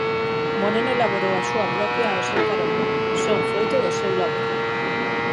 Moreno elaborou a súa propia ao seu carón: Son froito do seu labor.